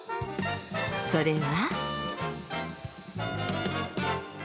それは。